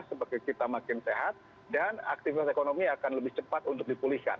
seperti kita makin sehat dan aktivitas ekonomi akan lebih cepat untuk dipulihkan